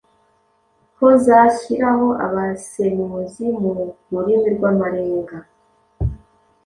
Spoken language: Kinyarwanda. ko zashyiraho abasemuzi mu rurimi rw’amarenga